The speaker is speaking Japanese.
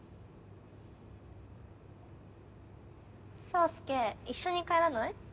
宗介一緒に帰らない？